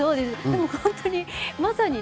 でも本当にまさにですね